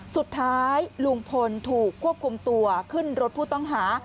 สุดท้ายลุงพลถูกควบคุมตัวขึ้นรถผู้ต้องหา